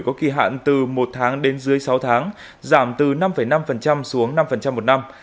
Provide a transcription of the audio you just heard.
có kỳ hạn từ một tháng đến dưới sáu tháng giảm từ năm năm xuống năm một năm